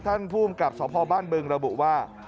ท่านภูมิกับสพบ้านบึงระบุว่า